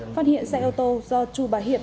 phát hiện xe ô tô do chú bà hiệp